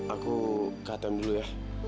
aku ke atm dulu ya